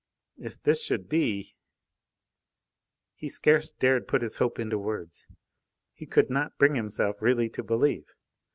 If this should be...! He scarce dared put his hope into words. He could not bring himself really to believe.